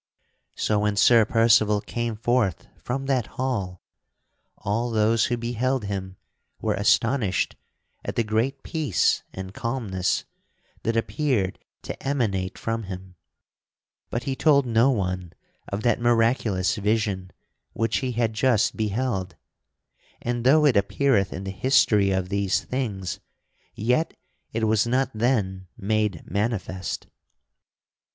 So when Sir Percival came forth from that hall, all those who beheld him were astonished at the great peace and calmness that appeared to emanate from him. But he told no one of that miraculous vision which he had just beheld, and, though it appeareth in the history of these things, yet it was not then made manifest.